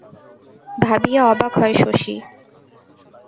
ভাবিয়া অবাক হয় শশী।